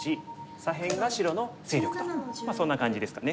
左辺が白の勢力とそんな感じですかね。